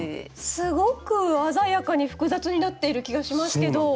すごく鮮やかに複雑になっている気がしますけど。